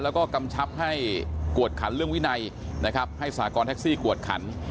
แล้วก็กำชับให้กวดขันเรื่องวินัยนะครับให้สากรแท็กซี่กวดขัน